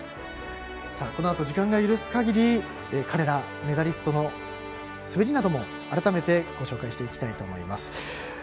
このあと時間が許す限り彼ら、メダリストの滑りなども改めてご紹介したいと思います。